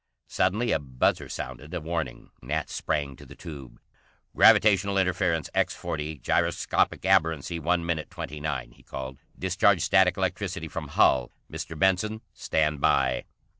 Suddenly a buzzer sounded a warning. Nat sprang to the tube. "Gravitational interference X40, gyroscopic aberrancy one minute 29," he called. "Discharge static electricity from hull. Mr. Benson, stand by."